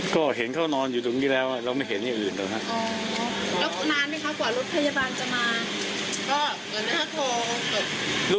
ค่ะเพราะชะโงกหน้ามาดู